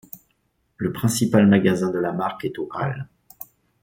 Le principal magasin de la marque est aux Halles.